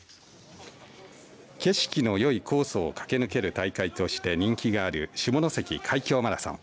景色のよいコースを駆け抜ける大会として人気がある下関海響マラソン。